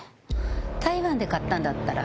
台湾で買ったんだったら。